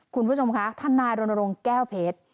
คุณผู้ชมคะทนายรณรงค์แก้วเพชร